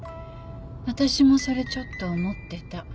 私もそれちょっと思ってた。